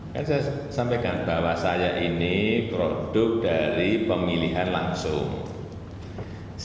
kan saya sampaikan bahwa saya ini produk dari pemerintah